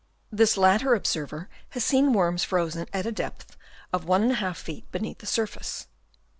This latter observer has seen worms frozen at a depth of 1^ feet beneath the surface.